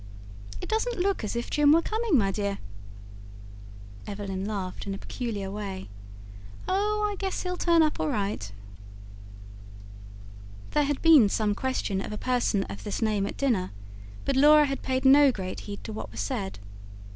"It doesn't look as if Jim were coming, my dear." Evelyn laughed, in a peculiar way. "Oh, I guess he'll turn up all right." There had been some question of a person of this name at dinner; but Laura had paid no great heed to what was said.